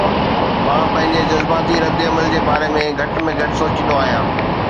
مان پنهنجي جذباتي ردعمل جي باري ۾ گهٽ ۾ گهٽ سوچيندو آهيان